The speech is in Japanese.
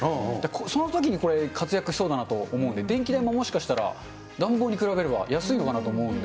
そのときにこれ、活躍しそうだなと思うんで、電気代ももしかしたら暖房に比べれば安いのかなと思うので。